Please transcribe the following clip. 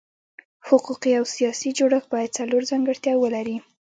حقوقي او سیاسي جوړښت باید څلور ځانګړتیاوې ولري.